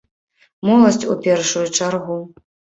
Моладзь, у першую чаргу.